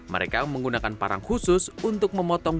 mereka menggunakan parang khusus untuk memotong